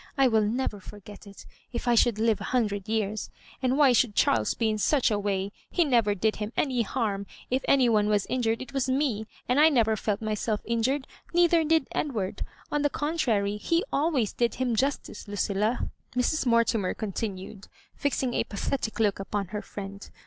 I will never forget it, if I should live a hundred years. And why should Charles be in such a way ? Jle never did him any harm 1 If any one was injured, it was me, and I never felt myself injured — neither did Edward. On the contrary, he cUtoays did him justice, Lucilla," Mrs. Mortimer continued, fixing a pathetic look upon her friend.